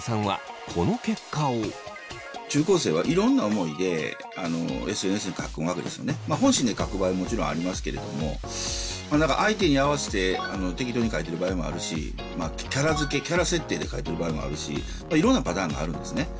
中高生は本心で書く場合もちろんありますけれども相手に合わせて適当に書いてる場合もあるしキャラ付けキャラ設定で書いてる場合もあるしいろんなパターンがあるんですね。